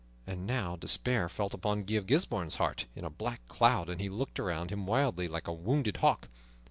And now despair fell upon Guy of Gisbourne's heart in a black cloud, and he looked around him wildly, like a wounded hawk.